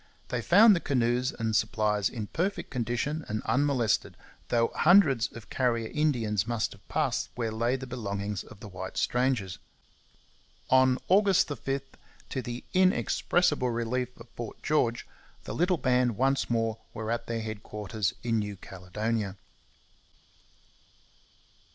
They found the canoes and supplies in perfect condition and unmolested, though hundreds of Carrier Indians must have passed where lay the belongings of the white strangers. On August 5, to the inexpressible relief of Fort George, the little band once more were at their headquarters in New Caledonia.